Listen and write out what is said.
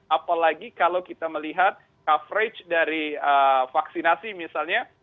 apalagi kalau kita melihat coverage dari vaksinasi misalnya